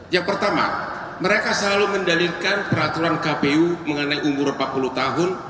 yang pertama mereka selalu mendalilkan peraturan kpu mengenai umur empat puluh tahun